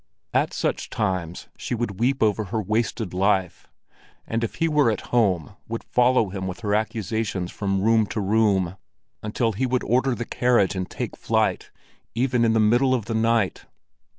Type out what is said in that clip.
At such times she would weep over her wasted life; and if he were at home would follow him with her accusations from room to room, until he would order the carriage and take flight, even in the middle of the night.